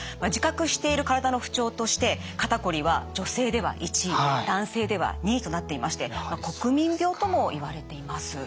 自覚している体の不調として肩こりは女性では１位男性では２位となっていまして国民病ともいわれています。